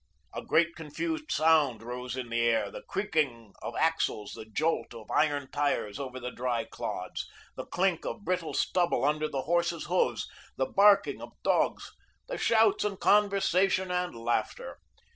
A great confused sound rose into the air, the creaking of axles, the jolt of iron tires over the dry clods, the click of brittle stubble under the horses' hoofs, the barking of dogs, the shouts of conversation and laughter.